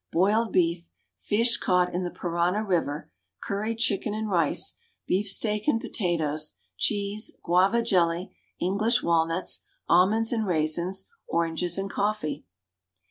boiled beef, fish caught in the Parana river, curried chicken and rice, beefsteak and potatoes, cheese, guava jelly, English walnuts, almonds and raisins, oranges and coffee.